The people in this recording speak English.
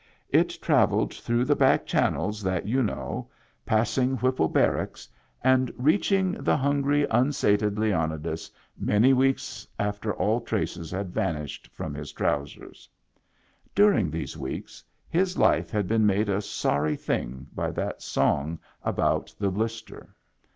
It travelled through the back channels that you know, passing Digitized by Google IN THE BACK 119 Whipple Barracks and reaching the hungry, un sated Leonidas many weeks after all traces had vanished from his trousers. During these weeks his life had been made a sorry thing by that song about the blister.